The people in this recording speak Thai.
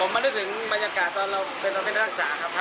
ผมมานึกถึงบรรยากาศตอนเราเป็นธรรมศาสตร์ครับ